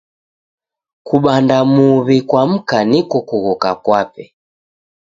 Kubanda muw'i kwa mka niko kughoka kwape.